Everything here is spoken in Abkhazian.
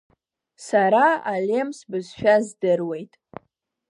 Сара алемс бызшәа здыруеит.